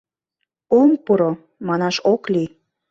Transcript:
— «Ом пуро» манаш ок лий.